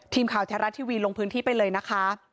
ทีมข่าวแท้รัฐทีวีลงพื้นที่ไปเลยนะคะ